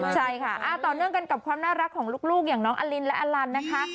ใช่ค่ะต่อเนื่องกันกับความน่ารักของลูกอย่างน้องอลินและอลันนะคะ